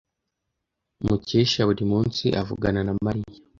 Mukesha buri munsi avugana na Mariya.